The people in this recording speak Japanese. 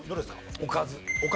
おかず。